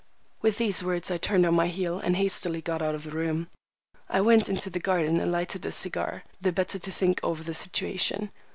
With these words, I turned on my heel and hastily got out of the room. I went into the garden and lighted a cigar, the better to think over the situation.